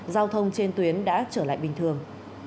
giao thông trên tuyến đã trở lại bình thường